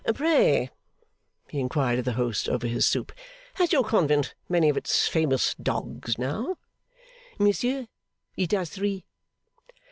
'Pray,' he inquired of the host, over his soup, 'has your convent many of its famous dogs now?' 'Monsieur, it has three.